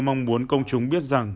mong muốn công chúng biết rằng